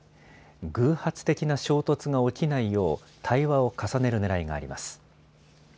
偶発的な衝突が起きないよう対話を重ねるねらいがあります。